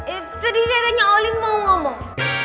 itu diserahnya olin mau ngomong